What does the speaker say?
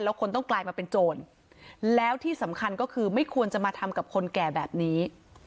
แล้วคนต้องกลายมาเป็นโจรแล้วที่สำคัญก็คือไม่ควรจะมาทำกับคนแก่แบบนี้